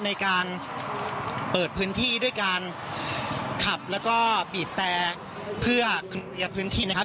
ในการเปิดพื้นที่ด้วยการขับแล้วก็บีบแต่เพื่อเคลียร์พื้นที่นะครับ